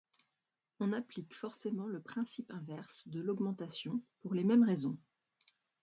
On applique forcément le principe inverse de l'augmentation, pour les mêmes raisons.